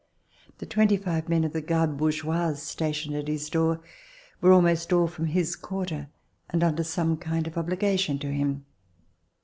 The twenty five men of the garde bourgeoise stationed at his door were almost all from his quarter and under some kind of obligation to him.